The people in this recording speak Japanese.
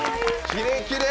キレキレ！